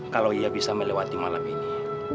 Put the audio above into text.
kalau ia bisa melewati malam ini